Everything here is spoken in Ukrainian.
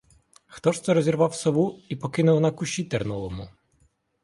Хто ж це розірвав сову і покинув на кущі терновому?